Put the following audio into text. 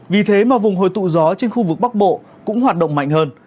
vì thế mà vùng hồi tụ gió trên khu vực bắc bộ cũng hoạt động mạnh hơn